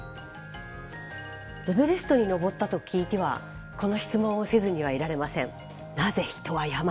エベレストに登ったと聞いてはこの質問をせずにはいられません。